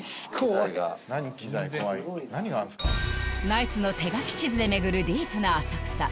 ナイツの手書き地図で巡るディープな浅草